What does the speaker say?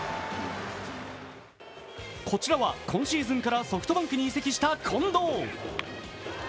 こちらは、今シーズンからソフトバンクに移籍した近藤。